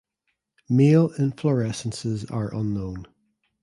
Male inflorescences are unknown.